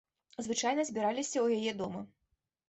Звычайна збіраліся ў яе доме.